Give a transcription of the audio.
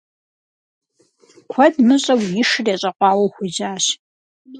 Куэд мыщӏэу и шыр ещӏэкъуауэу хуежьащ.